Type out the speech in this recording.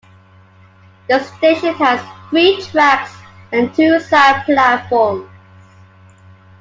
The station has three tracks and two side platforms.